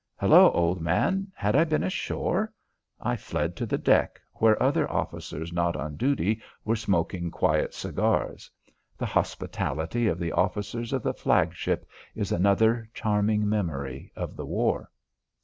Hello, old man, had I been ashore? I fled to the deck, where other officers not on duty were smoking quiet cigars. The hospitality of the officers of the flag ship is another charming memory of the war.